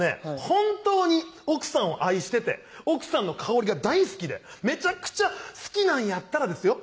本当に奥さんを愛してて奥さんの香りが大好きでめちゃくちゃ好きなんやったらですよ